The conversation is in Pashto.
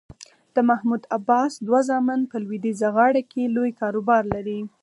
د محمود عباس دوه زامن په لویدیځه غاړه کې لوی کاروبار لري.